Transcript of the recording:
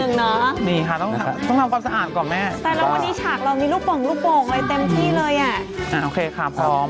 แต่เราวันนี้ฉากเรามีลูกโป่งลูกโป่งเลยเต็มที่เลยอ่ะอ่าโอเคค่ะพร้อม